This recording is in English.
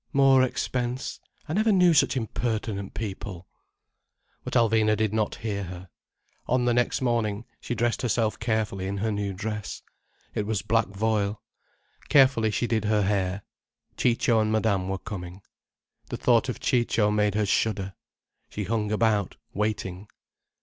"More expense. I never knew such impertinent people—" But Alvina did not hear her. On the next morning she dressed herself carefully in her new dress. It was black voile. Carefully she did her hair. Ciccio and Madame were coming. The thought of Ciccio made her shudder. She hung about, waiting.